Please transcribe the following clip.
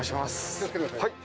気をつけて下さい。